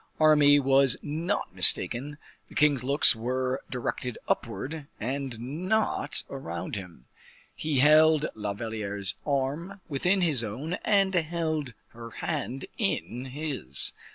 Aramis was not mistaken, the king's looks were directed upward, and not around him. He held La Valliere's arm within his own, and held her hand in his.